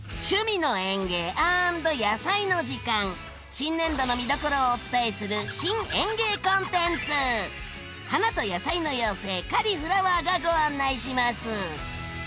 新年度の見どころをお伝えする花と野菜の妖精カリ・フラワーがご案内します！